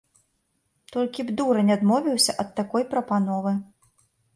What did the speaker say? Толькі б дурань адмовіўся ад такой прапановы.